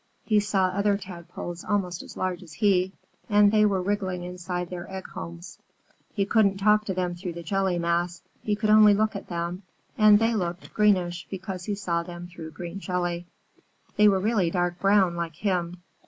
He saw other Tadpoles almost as large as he, and they were wriggling inside their egg homes. He couldn't talk to them through the jelly mass he could only look at them, and they looked greenish because he saw them through green jelly. They were really dark brown, like him.